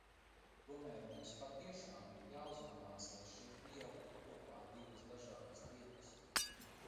Tomēr mums patiešām ir jāuzmanās, lai šeit nejauktu kopā divas dažādas lietas.